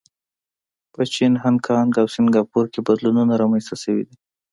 په چین، هانکانګ او سنګاپور کې بدلونونه رامنځته شوي دي.